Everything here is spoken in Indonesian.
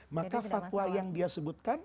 maka fatwa yang dia sebutkan